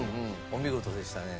お見事でしたね。